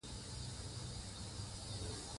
فرهنګ د علم او پوهې د منلو ظرفیت لري.